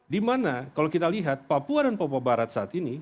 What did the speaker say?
dimana kalau kita lihat papua dan papua barat saat ini